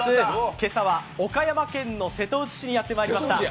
今朝は岡山県の瀬戸内市にやってまいりました。